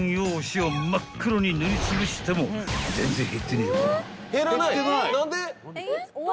［全然減ってねえわ］